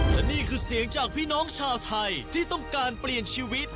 และนี่คือเสียงจากพี่น้องชาวไทยที่ต้องการเปลี่ยนชีวิต